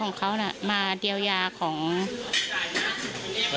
พุ่งเข้ามาแล้วกับแม่แค่สองคน